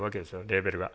レーベルが。